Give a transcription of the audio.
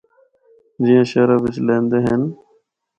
جیّاں شہراں بچ لیندے ہن۔